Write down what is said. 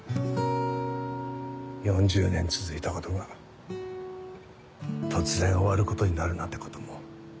４０年続いたことが突然終わることになるなんてことも。